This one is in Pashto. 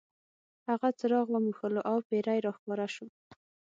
هغه څراغ وموښلو او پیری را ښکاره شو.